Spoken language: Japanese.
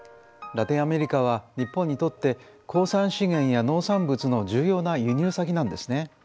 ラテンアメリカは日本にとって鉱産資源や農産物の重要な輸入先なんですね。